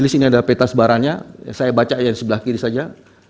saya baca aja di sebelah kiri saja